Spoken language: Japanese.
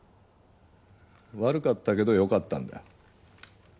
悪かったけどよかったんだよ。